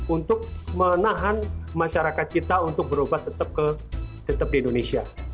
untuk menahan masyarakat kita untuk berubah tetap di indonesia